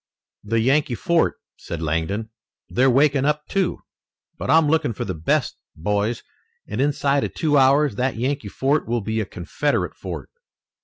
"The Yankee fort," said Langdon. "They're waking up, too. But I'm looking for the best, boys, and inside of two hours that Yankee fort will be a Confederate fort."